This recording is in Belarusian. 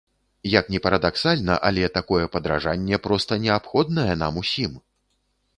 Як ні парадаксальна, але такое падаражанне проста неабходнае нам усім!